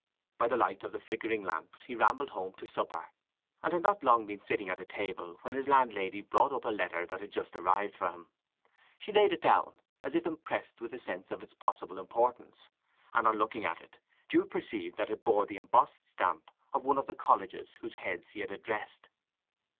By the light of the flickering lamps he rambled home to supper, and had not long been sitting at table when his landlady brought up a letter that had just arrived for him. She laid it down as if impressed with a sense of its possible importance, and on looking at it Jude perceived that it bore the embossed stamp of one of the colleges whose heads he had addressed.